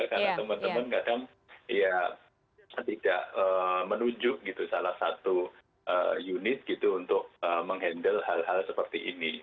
karena teman teman kadang ya tidak menunjuk gitu salah satu unit gitu untuk menghandle hal hal seperti ini